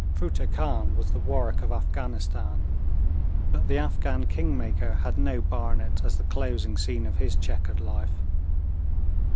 Futteh Khan was the Warwick of Afghanistan, but the Afghan 'Kingmaker' had no Barnet as the closing scene of his chequered life.